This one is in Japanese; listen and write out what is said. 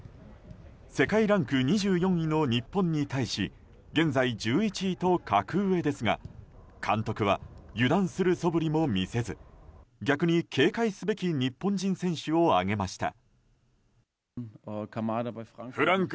世界ランク２４位の日本に対し現在１１位と格上ですが監督は、油断するそぶりも見せず逆に、警戒すべき日本人選手を挙げました。